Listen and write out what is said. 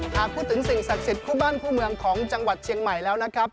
หากพูดถึงสิ่งศักดิ์สิทธิ์คู่บ้านคู่เมืองของจังหวัดเชียงใหม่แล้วนะครับ